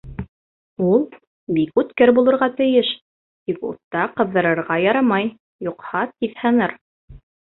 Ул бик үткер булырға тейеш, тик утта ҡыҙҙырырға ярамай, юҡһа, тиҙ һыныр.